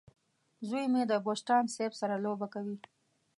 زوی مې د بوسټان سیب سره لوبه کوي.